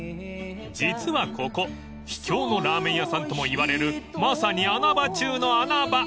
［実はここ秘境のラーメン屋さんともいわれるまさに穴場中の穴場］